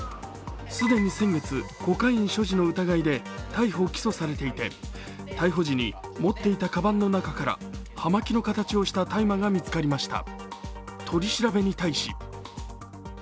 既に先月、コカイン所持の疑いで逮捕・起訴されていて、逮捕時に持っていたかばんの中から葉巻の形をした大麻が見つかりました。